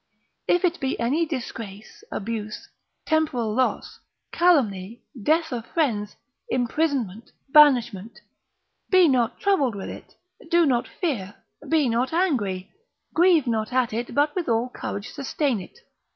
If it be any disgrace, abuse, temporal loss, calumny, death of friends, imprisonment, banishment, be not troubled with it, do not fear, be not angry, grieve not at it, but with all courage sustain it.